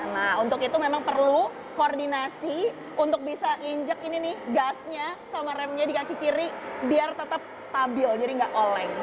nah untuk itu memang perlu koordinasi untuk bisa injek ini nih gasnya sama remnya di kaki kiri biar tetap stabil jadi nggak oleng